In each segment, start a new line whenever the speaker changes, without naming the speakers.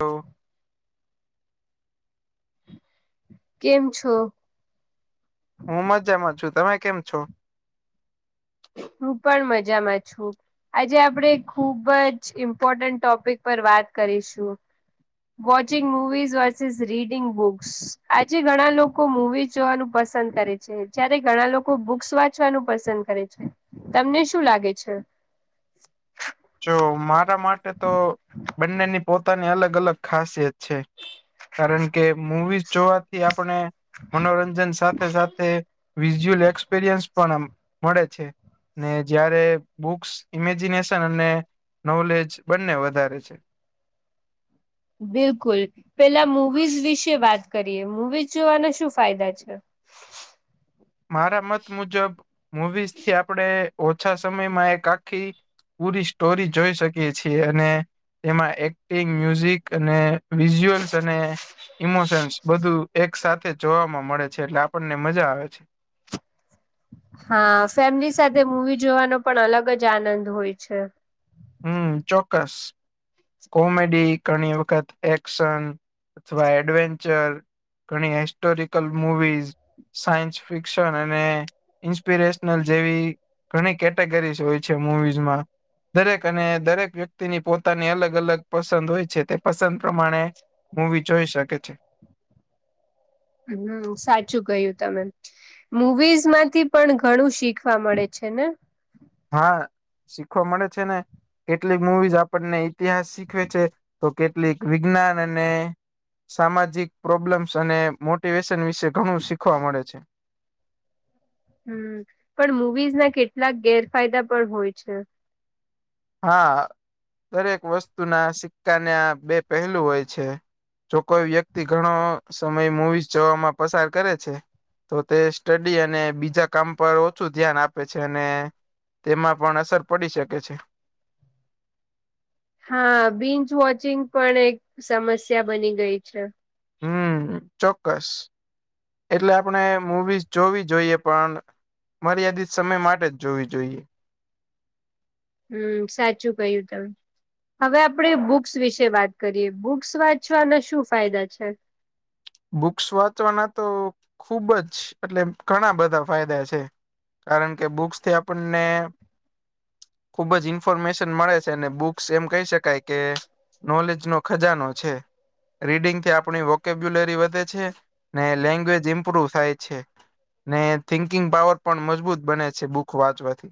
હું
કેમ છો?
હું મજામાં છું, તમે કેમ છો?
હું પણ મજામાં છું આજે આપણેે ખુબ જ ઇમ્પોર્ટન્ટ ટોપિક પર વાત કરીશું. Watching movies versus reading books આજે ઘણા લોકો મુવીઝ જોવા પસંદ કરે છે. જયારે ઘણા લોકો બુક્સ વાંચવાનું પસંદ તમને શું લાગે છે?
જો મારા માટે તો, બંનેની પોતાની અલગ અલગ ખાસિયત છે. કારણ કે મવીઝ જોવાથી આપણે મનોરંજન સાથે સાથે વિઝ્યુઅલ એક્સપિરિયન્સ પણ મળે છે. ને જયારે બુક્સ ઇમેજિનેશન અને નોલેજ બંને વધારે છે.
બિલકુલ. પહેલા મવીઝ વિશે વાત કરીએ. મવીઝ જોવાના શું ફાયદા છે?
મારા મત મુજબ મુવીઝથી, આપણે ઓછા સમયમાં એક આખી પૂરી સ્ટોરી જોઈ શકીએ છીએ અને તેમાં એક્ટિંગ મ્યુઝિક અને વિઝુઅલ્સ અને ઇમોશન્સ બધું એક સાથેથે જોવાવામાં મળે છે. એટલે આપણને મજા આવે છે.
હા, ફેમિલી સાથે મૂવી જોવાનો પણ અલગ જ આનંદ હોય છે.
હમ. ચોક્કસ. કોમેડી, ઘણી વખત એક્શન અથવા એડવેન્ચર ઘણી હિસ્ટોરિકલ મૂવીઝ સાયન્સ ફિક્શન અને ઇન્સ્પિરેશનલ જેવી ઘણી કેટેગરીઝ હોય છે મુવીઝમાં. દરેક અને દરેક વ્યક્તિની પોતાની અલગ અલગ અલગ પસંદ હોય છે. તે પસંદ પ્રમાણે મૂવી જોઈ શકે છે.
હમ. સાચું કહ્યું તમે? મુવીઝમાંથી પણ ઘણું શીખવા મળે છે ને.
હા, શીખવા મળે છે ને, કેટલીક મુવીઝ આપણને ઈતિહાસ શીખવે છે. તો કેટલીક વિજ્ઞાન અને સામાજિક પ્રોબ્લેમ્સ અને એ વ્યસન વિશે ઘણું શીખવા મળે છે.
હમ. પણ મુવીઝના કેટલાક ગેરફાયદા પણ હોય છે.
હા, દરેક વસ્તુના સિક્કાના બે પહેલું હોય છે. જો કોઈ વ્યક્તિ ઘણો સમય મૂવી જોવામાં પસાર કરે છે. તો તે સ્ટડી અને બીજા કામ પર ઓછું ધ્યાન આપે છે અને તેમાં પણ અસર પડી શકે છે.
હા, બીંચ વોચિંગ પણ એક સમસ્યા બની ગઈ છે્.
હમ. ચોક્કસ. એટલે આપણે મુવીઝ જોવી જોઈએ, પણ મર્યાદિત સમય માટે જ જોવી જોઈએ.
હમ. સાચું કહ્યું તમે? હવે, આપણે બુક્સ વિશે વાત કરીએ. બુક્સ વાંચવાના શું ફાયદા છે?
બુક્સ વાંચવાના તો ખુબ જ. એટલે ઘણા બધા ફાયદા છે. કારણ કે બુક્સથી આપણને ખુબ જ ઇન્ફોર્મેશન મળે છે અને બુક્સ એમ કહી શકાય કે નોલેજનો ખજાનો. છે રીડિંગથી આપણી વોકેબ ગેલેરી વધે છે. ને લેંગ્વેજ ઇમ્પ્રુવ થાય છે. ને થિંકિંગ પાવર પણ મજબૂત બને છે, બુક વાંચવાથી.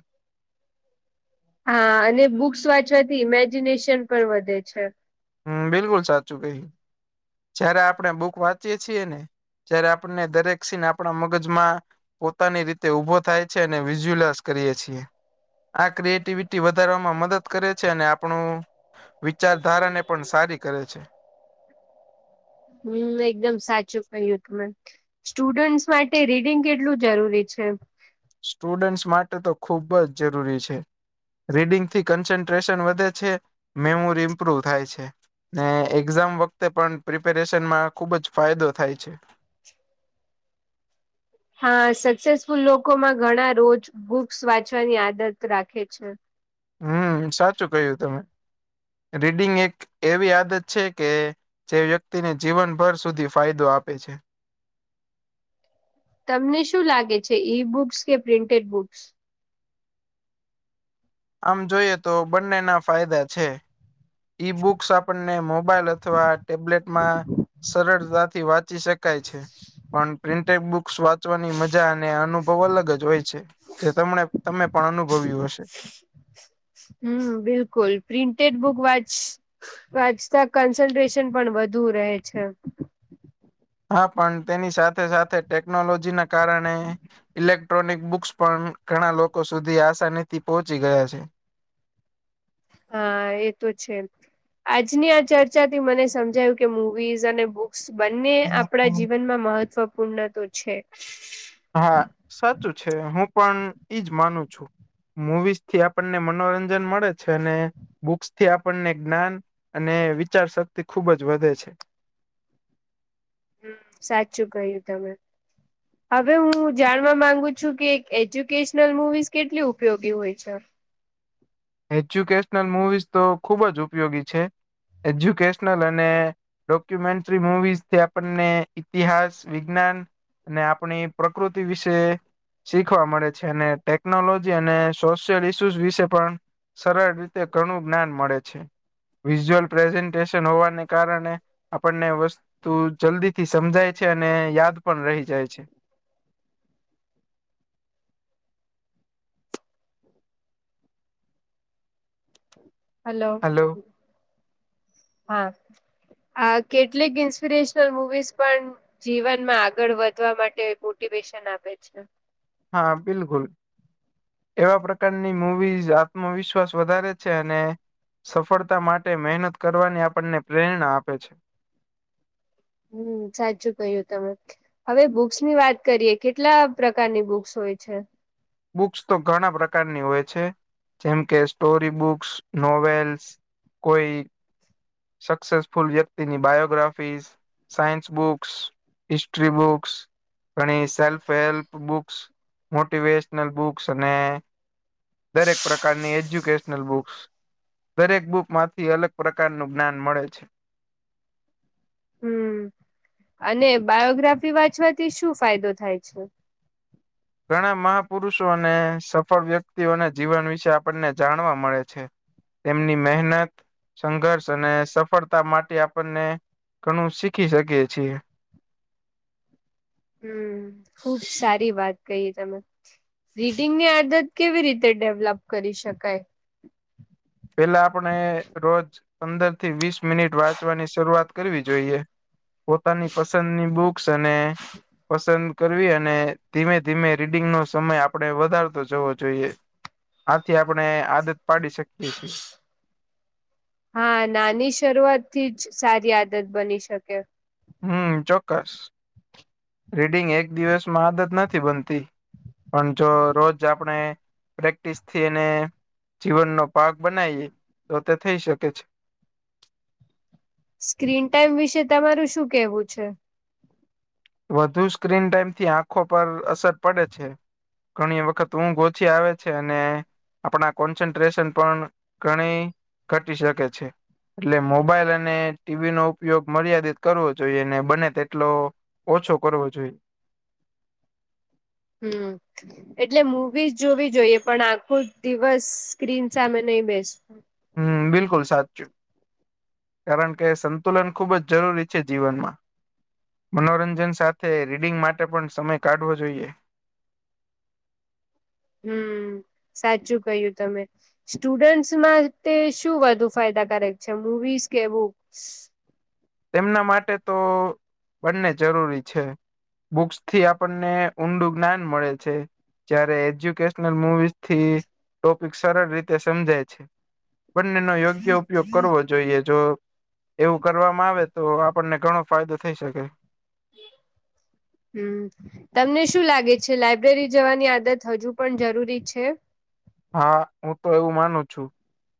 હા, અને બુક્સ વાંચવાથી ઇમેજિનેશન પણ વધે છે.
હમ. બિલકુલ સાચું કહ્યું.. જયારે આપણે બુક વાંચીએ છીએને, જયારે આપણને દરેક સીન આપણા મગજમાં પોતાની રીતે ઊભો થાય છે, અને વિસુયુલસ કરીએ છીએ. આ ક્રિએટિવિટી વધારવામાં મદદ કરે છે અને આપણું વિચારધારા ને પણ સારી કરે છે.
હમમ એકદમ સાચું કહ્યું તમે. સ્ટુડન્ટસ માટે રીડિંગ કેટલું જરૂરી છે?
સ્ટુડન્ટસ માટે તો ખુબ જ જરૂરી છે. રીડિંગ થી કન્સન્ટ્રેશન વધે છે, મેમોરી ઇમ્પ્રુવ થાય છે. ને એક્ઝામ વખતે પણ પ્રિપેરેશન માં ખુબ જ ફાયદો થાય છે.
હા સક્સેસફુલ લોકો માં ઘણા રોજ બુક્સ વાંચવાની આદત રાખે છે.
હમમ સાચું કહ્યું તમે. રીડિંગ એક એવી આદત છે કે જે વ્યક્તિને જીવનભર સુધી ફાયદો આપે છે.
તમને શું લાગે છે ઈ બુક્સ કે પ્રિન્ટેડ બુક્સ?
આમ જોઈએ તો બંનેના ફાયદા છે. ઈ બુક્સ આપણને મોબાઈલ અથવા ટેબ્લેટમાં સરળતાથી વાંચ વાંચી શકાય છે પણ પ્રિન્ટેડ બુક્સ વાંચવાની મજા અને અનુભવ અલગ જ હોય છે. જે તમને તમે પણ અનુભવ્યું હશે.
હમમ બિલકુલ પ્રિન્ટેડ બુક વાચ વાંચતા કન્સન્ટ્રેશન પણ વધુ રહે છે.
હા પણ તેની સાથે સાથે ટેકનોલોજીના કારણે ઇલેક્ટ્રોનિક બુક્સ પણ ઘણા લોકો સુધી આસાની થી પહોંચી ગયા છે.
હા એ તો છે. આજની આ ચર્ચાથી મને સમજાયું કે મૂવીઝ અને બુક્સ બંને આપણા જીવનમાં મહત્વપૂર્ણ તો છે.
હા સાચું છે હું પણ ઈ જ માનું છું. મુવીઝ થી આપણને મનોરંજન મળે છે અને બુક્સથી આપણને જ્ઞાન અને વિચારશક્તિ ખુબ જ વધે છે.
હમમ સાચું કહ્યું તમે.
[inaudible]
હવે હું જાણવા માંગુ છું, કે એજ્યુકેશનલ મુવીઝ કેટલી ઉપયોગી હોય છે?
એજ્યુકેશનલ મુવીઝ તો ખુબ જ ઉપયોગી છે. એજ્યુકેશનલ અને ડોક્યુમેન્ટ્રી મુવીઝથી આપણને ઈતિહાસ, વિજ્ઞાન ને આપણી પ્રકૃતિ વિશે શીખવા મળે છે અને ટેકનોલોજી અને સોશિયલ ઈસ્યુઝ વિશે પણ સરળ રીતે ઘણું જ્ઞાન મળે છે. વિઝ્યુઅલ પ્રેઝન્ટેશન હોવાને કારણે આપણને વસ્તુ જલ્દી થી સમજાય છે અને યાદ પણ રહી જાય છે.
હલો હા. આ કેટલીક ઇન્સ્પિરેશનલ મુવીઝ પણ જીવનમાં આગળ વધવા માટે મોટિવેશન આપે છે.
હા બિલકુલ. એવા પ્રકારની મૂવીઝ આત્મવિશ્વાસ વધારે છે અને સફળતા માટે મહેનત કરવાની આપણને પ્રેરણા આપે છે.
હમમ સાચું કહ્યું તમે. હવે બુક્સ ની વાત કરીએ. કેટલા પ્રકારની બુક્સ હોય છે?
બુક્સ તો ઘણા પ્રકારની હોય છે. જેમ કે સ્ટોરી બુક્સ, નોવેલ્સ. કોઈ સક્સેસફુલ વ્યક્તિની biographies science books, history books ઘણી self help books, motivational books અને દરેક પ્રકારની એજ્યુકેશનલ બુક્સ દરેક બુકમાંતી અલગ પ્રકારનું જ્ઞાન મળે છે.
હમ્મ અને બાયોગ્રાફી વાંચવાથી શું ફાયદો થાય છે?
ઘણા મહાપુરુષો અને સફળ વ્યક્તિઓના જીવન વિશે આપ અપને જાણવા મળે છે. તેમની મેહનત સંઘર્ષ અને સફળતા માટે આપનને ઘનું શીખી શકીએ છીએ.
હમ્મ ખુબ સારી વાત કઈ તમે. રીડીંગની આદત કેવી રીતે ડેવલપ કડી શકાય?
પેલા આપને રોજ પંદર થી વીસ મિનિટ વાંચવાની શરૂઆત કેરવી જોઈએ. પોતાની પસંની બુક્સ અને પસંદ કરવી અને ધીમે ધીમે રીડિંગ નો સમય આપડે વધારતો જવો જોઈએ આથી આપણને આદત પાડી શકીએ છે.
હા નાની શરૂઆત થી જ સારી આદત બની શકે.
હમ્મ ચોક્કસ રીડિંગ એક દિવસમાં આદત નથી બનતી. પણ જો રોજ આપણે પ્રેક્ટિસથી એને જીવન નો પાક બનાઈએ તો તે થઈ શકે છે.
સ્ક્રીન ટાઈમ વિશે તમારું શું કેહવું છે?
વધુ સ્ક્રીન ટાઈમથી આંખો પર અસર પડે છે. ઘણીએ વખત ઊંઘ ઓછી આવે છે અને આપડા કોન્સેન્ટ્રેશન પણ ઘણી ઘટી શકે છે. એટલે મોબાઈલ અને ટીવીનો ઉપયોગ મર્યાદિત કરવો જોઈએ ને બને તેટલો ઓછો કરવો જોઇ.
હમ્મ. એટલે મુવીઝ જોવી જોઈએ પણ આખો દિવસ સ સ્ક્રીન સામે નઇ બેસ
હમ્મ બિલકુલ સાચું. કારણ કે સંકુલન ખુબ જ જરૂરી છે જીવનમાં. મનોરંજન સાથે રીડિંગ માટે પણ સમય કાઢવો જોઈએ.
હમ્મ સાચું કહ્યું તમે. સ્ટુડન્ટ્સ ના માટે શું વધુ ફાયદાકારક છે મૂવીસ કે બુક્સ?
તેમના માટે તો બંને જરૂરી છે. બુક્સ થી આપનને ઊંડું જ્ઞાન મળે છે. જ્યારે એજ્યુકેશનલ મુવીઝથી ટોપિક સરળ રીતે સમજાય છે. બંનેનો યોગ્ય ઉપયોગ કરવો જોઈએ જો એવું કરવામ માં આવે તો આપણને ઘણો ફાયદો થેઈ શકે.
હમ્મ તમને શું લાગે છે લાયબ્રેરી જવાની આદત હજુ પણ જરૂરી છે?
હા હું તો એવું માનું છું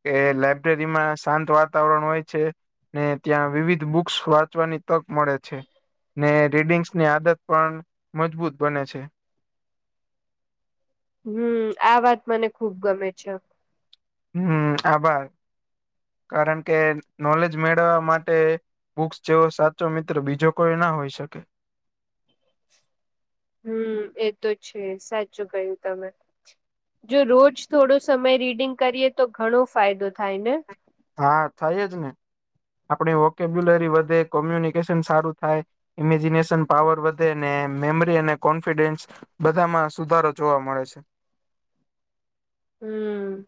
કે લાબ્રેરીમાં શાંત વાતાવરણ હોય છે. ને ત્યાં વિવિધ બુક્સ વાંચવાની તક મળે છે. ને રીડિંગ્સની આદત પણ મજબૂત બને છે.
હમ્મ આ વાત મને ખુબ ગમે છે.
હમ્મ આભાર કારણ કે નોલેજ મેડવવા માટે બુક્સ જેવો સાચો મિત્રો બીજો કોઈ ના હોય શકે.
હમ્મ એ તો છે સાચું કયું તમે. જો રોજ થોડો સમય રીડિંગ કરીએ તો ખણો ફાયદો થાય ને?
હા, થાય જ ને. આપણી વોકેબ્યુલરી વધે કોમ્યુનિકેશન સારું થાય. ઇમેજિનેશન પાવર વધે ને મેમરી અને કોન્ફિડન્સ બધામાં સુધારો જોવા મળે છે.
હમ્મ.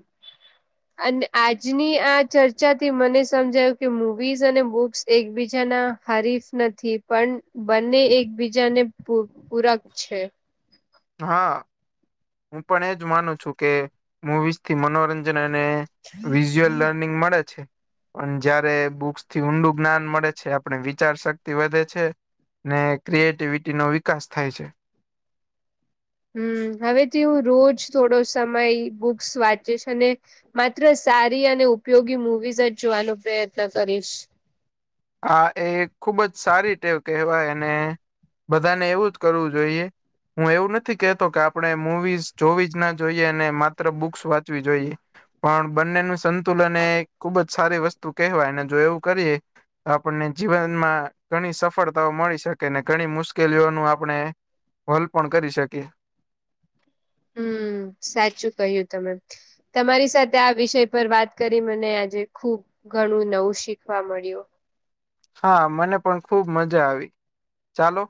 અને આજની આ ચર્ચાથી મને સમજાયું કે મુવીઝ અને બુક્સ એકબીજાના હરીફ નથી પણ બંને એકબીજાને પૂર-પૂરક છે.
હા હું પણ એજ માનું છું કે મૂવીઝથી મનોરંજન અને વિઝ્યુઅલ લર્નિંગ મળે છે. પણ જયારે બુક્સ થી ઊંડું જ્ઞાન મળે છે આપણે વિચાર શક્તિ વધે છે ને ક્રિએટિવિટી નો વિકાસ થાય છે.
હમ્મ, હવે તે હું રોજ થોડો સમય બુક્સ વાંચીશ અને માત્ર સારી અને ઉપયોગી મુવીઝ જ જોવાનો પ્રયત્ન કરીશ.
હા એ ખુબ જ સારી ટેવ કહેવાય અને બધાને એવું જ કરવું જોઈએ. હું એવું નથી કેહેતો કે આપણે મુવીઝ જોવી જ ના જોઈએ અને માત્ર બુક્સ વાંચવી જોઈએ. પણ બંનેનું સંતુલન એ ખુબ જ સારી વસ્તુ કહેવાયને જો એવું કરીએ તો આપણને જીવનમાં ઘણી સફળતાઓ મળી શકે અને ઘણી મુશ્કેલીઓનું આપણે હલ પણ કરી શકે.
હમ્મ, સાચું કહ્યું તમે. તમારી સાથે આ વિષય પર વાત કરી મને આજે ખુબ ઘણું નવું શીખવા મળ્યું.
હા મને પણ ખુબ મજા આવી. ચાલો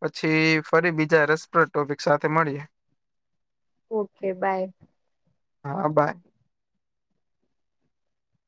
પછી ફરી બીજા રસપ્રદ ટોપિક સાથે મળીએ.
Okay bye.
હા બાય.